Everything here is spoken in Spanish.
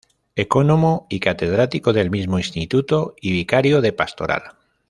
Ecónomo y catedrático del mismo Instituto y vicario de pastoral.